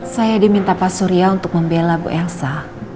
saya diminta pak surya untuk membela bu elsa